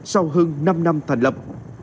sau hơn năm năm thành lập